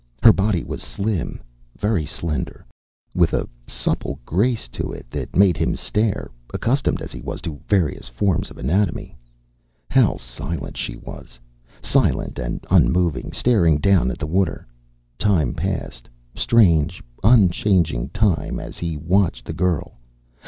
Her body was slim, very slender, with a supple grace to it that made him stare, accustomed as he was to various forms of anatomy. How silent she was! Silent and unmoving, staring down at the water. Time passed, strange, unchanging time, as he watched the girl.